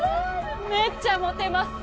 めっちゃモテます。